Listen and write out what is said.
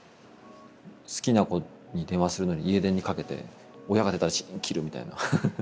好きな子に電話するのに家電にかけて親が出たら「チンッ」切るみたいな。